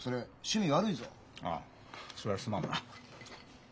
ああそりゃすまんな。